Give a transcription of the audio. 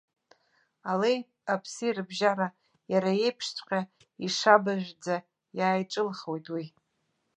Алеи-аԥси рыбжьара, иара еиԥшҵәҟьа ишабажәӡа иааиҿылхуеит уи.